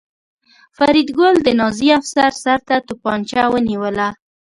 فریدګل د نازي افسر سر ته توپانچه ونیوله